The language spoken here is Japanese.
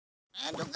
どこ？